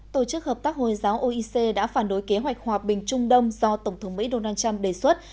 tổ chức hợp tác hồi giáo oec đã phản đối kế hoạch hòa bình trung đông do tổng thống mỹ donald trump đề xuất